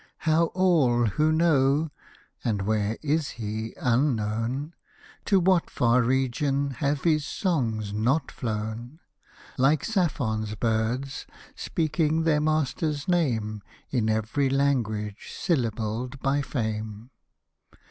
How all who know — and where is he unknown ? To what far region have his songs not flown, Like Psaphon's birds, speaking their master's name, In every language, syllabled by Fame